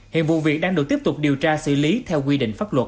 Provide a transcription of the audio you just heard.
hiện vụ việc đang được tiếp tục điều tra xử lý theo quy định pháp luật